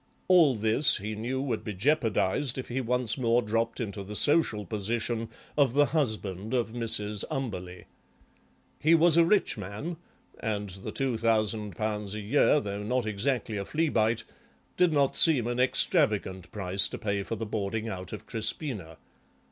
All this he knew would be jeopardised if he once more dropped into the social position of the husband of Mrs. Umberleigh. He was a rich man, and the £2000 a year, though not exactly a fleabite, did not seem an extravagant price to pay for the boarding out of Crispina.